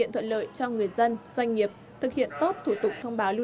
theo quy định của bộ công an